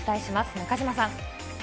中島さん。